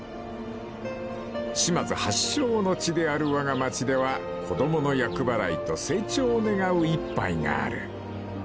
［島津発祥の地であるわが町では子供の厄払いと成長を願う一杯がある］